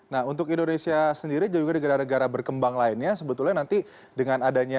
nah untuk indonesia sendiri juga negara negara berkembang lainnya sebetulnya nanti dengan adanya